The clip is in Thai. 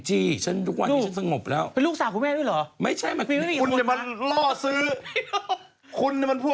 กระเทยเก่งกว่าเออแสดงความเป็นเจ้าข้าว